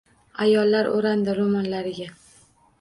Ayollar o’randi ro’mollariga.